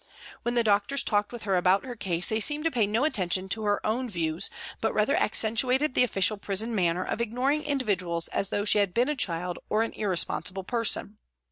When the doctors talked with her about her case they seemed to pay no attention to her own views, but rather accentuated the official prison manner of ignoring individuals as though she had been a child or an irresponsible person.